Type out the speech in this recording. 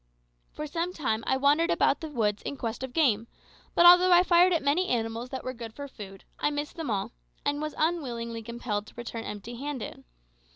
For some time I wandered about the woods in quest of game, but although I fired at many animals that were good for food, I missed them all, and was unwillingly compelled to return empty handed.